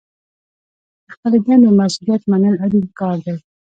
د خپلې دندې مسوولیت منل اړین کار دی.